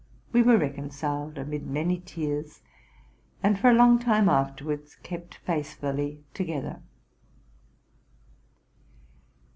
We were reconciled amid many tears, and for a long time afterwards kept faithfully together.